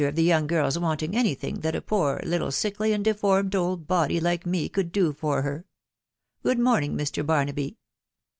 of the young girl's wanting any thing that a poor little sickly and deformed old body like me could do for her* Good morn ing, Mr. Barnaby."